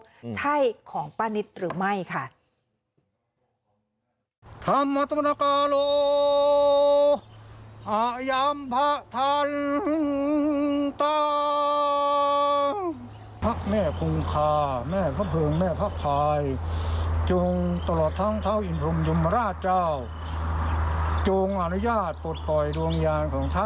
ใช่ของป้านิตหรือไม่ค่ะ